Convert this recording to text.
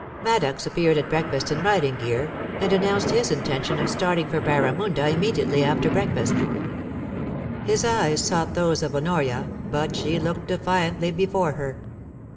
* Maddox appeared at breakfast in riding gear, and an nounced his intention of starting for Barramunda imme diately after breakfast His eyes sought those of Honoria, but she looked defiantly before her.